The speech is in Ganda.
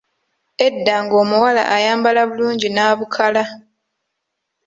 Edda ng'omuwala ayambala bulungi nabukala.